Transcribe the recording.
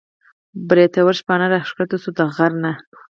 بریتور شپانه راکښته شو د غر نه